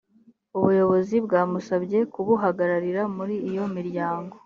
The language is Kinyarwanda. ubuyobozi bwamusabye kubuhagararira muri iyo miryango